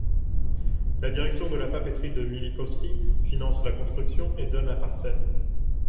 La direction de la papeterie de Myllykoski finance la construction et donne la parcelle.